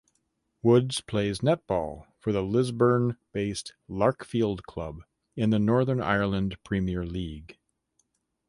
Woods plays netball for the Lisburn–based Larkfield club in the Northern Ireland Premier League.